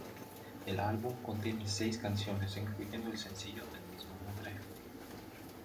El álbum contiene seis canciones, incluyendo el sencillo del mismo nombre.